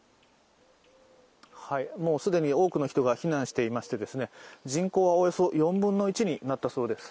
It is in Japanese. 既に多くの人が避難していまして人口はおよそ４分の１になったそうです。